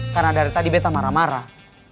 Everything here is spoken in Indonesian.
karena dari tadi beta marah marah